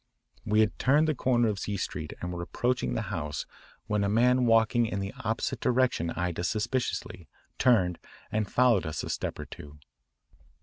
We had turned the corner of Z Street and were approaching the house when a man walking in the opposite direction eyed us suspiciously, turned, and followed us a step or two.